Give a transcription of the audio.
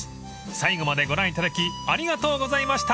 ［最後までご覧いただきありがとうございました］